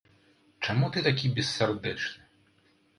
Чаму ты такі бессардэчны?